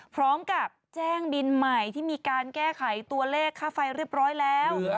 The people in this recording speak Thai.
พร้อมกับแจ้งบินใหม่ที่มีการแก้ไขตัวเลขค่าไฟเรียบร้อยแล้ว